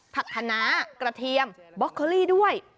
คณะกระเทียมบ็อกเคอรี่ด้วย